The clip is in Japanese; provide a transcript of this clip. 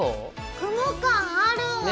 雲感ある！ね！